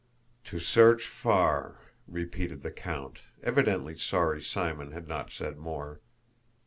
"To search far..." repeated the count, evidently sorry Simon had not said more.